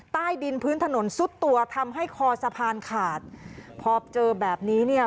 ใต้ดินพื้นถนนซุดตัวทำให้คอสะพานขาดพอเจอแบบนี้เนี่ย